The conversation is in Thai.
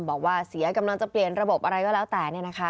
บอกว่าเสียกำลังจะเปลี่ยนระบบอะไรก็แล้วแต่